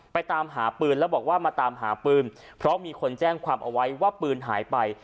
ตามหาปืนแล้วบอกว่ามาตามหาปืนเพราะมีคนแจ้งความเอาไว้ว่าปืนหายไป